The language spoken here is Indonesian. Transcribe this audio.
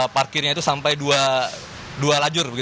parkirnya itu sampai dua lajur